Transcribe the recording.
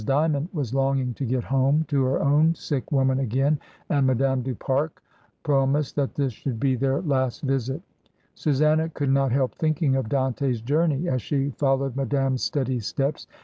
Dymond was longing to get home to her own sick woman again, and Ma dame du Pare promised that this should be their last visit Susanna could not help thinking of Dante's journey as she followed Madame's steady steps.